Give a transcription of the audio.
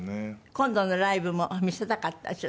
今度のライブも見せたかったでしょ